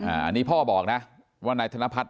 อันนี้พ่อบอกนะว่า